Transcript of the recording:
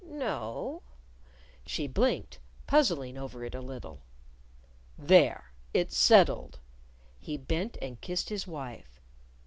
"No." She blinked, puzzling over it a little. "There! It's settled." He bent and kissed his wife.